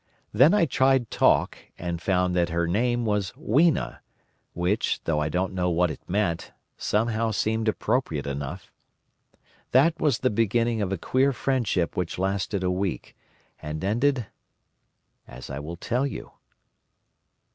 Then I tried talk, and found that her name was Weena, which, though I don't know what it meant, somehow seemed appropriate enough. That was the beginning of a queer friendship which lasted a week, and ended—as I will tell you!